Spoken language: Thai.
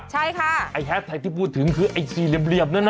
ใช่ค่ะไอ้แฮสแท็กที่พูดถึงคือไอ้สี่เหลี่ยมนั้นนะ